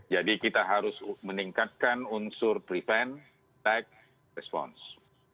jadi kita harus meningkatkan unsur prevent attack response